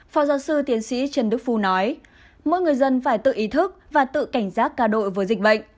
phó giáo sư tiến sĩ trần đức phu nói mỗi người dân phải tự ý thức và tự cảnh giác cao đội với dịch bệnh